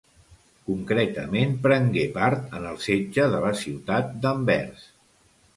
Concretament prengué part en el setge de la ciutat d'Anvers.